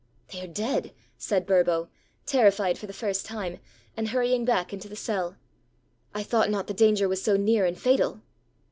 "They are dead," said Burbo, terrified for the first time, and hurrying back into the cell. "I thought not the danger was so near and fatal."